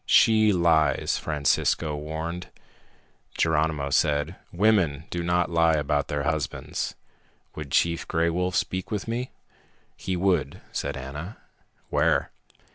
"She lies," Francisco warned. Geronimo said, "Women do not lie about their husbands. Would Chief Gray Wolf speak with me?" "He would," said Ana. "Where?"